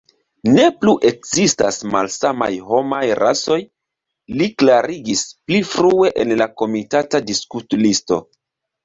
Ne plu ekzistas malsamaj homaj rasoj, li klarigis pli frue en la komitata diskutlisto.